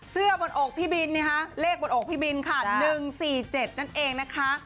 บนอกพี่บินเลขบนอกพี่บินค่ะ๑๔๗นั่นเองนะคะ